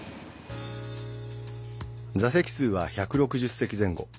座席数は、１６０席前後。